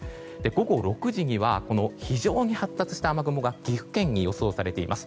午後６時には非常に発達した雨雲が岐阜県に予想されています。